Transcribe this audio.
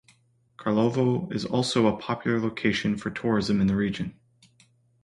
Karlovo is also a popular location for tourism in the region.